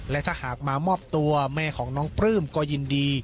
และถ้าหากมามอบตัวแม่ของน้องปลื้มก็ยินดี